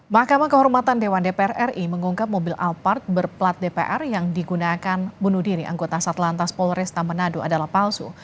mahkamah kehormatan dewan dpr ri mengungkap mobil alphard berplat dpr yang digunakan bunuh diri anggota satlantas polresta manado adalah palsu